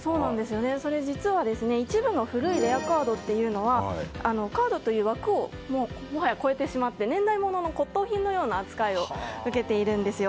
実は、一部の古いレアカードというのはカードという枠をもはや超えてしまって年代物の骨董品のような扱いを受けているんですよ。